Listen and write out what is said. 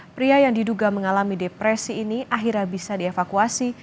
pria yang diduga mengalami depresi ini akhirnya bisa dievakuasi